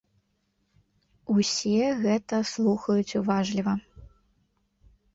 Усе гэта слухаюць уважліва.